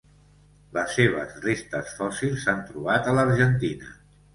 Les seves restes fòssils s'han trobat a l'Argentina.